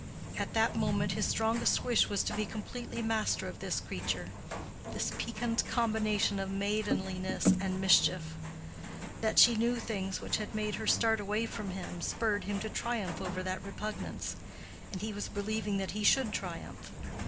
At that moment his strongest wish was to be completely master of this creature—this piquant combination of maidenliness and mischief: that she knew things which had made her start away from him, spurred him to triumph over that repugnance; and he was believing that he should triumph.